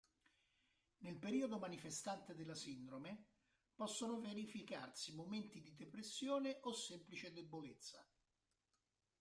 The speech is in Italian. Nel periodo manifestante della sindrome, possono verificarsi momenti di depressione o semplice debolezza.